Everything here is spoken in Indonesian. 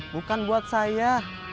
bukan buat saya